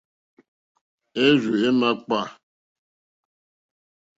Érzù é màkpá.